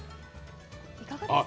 いかがですか？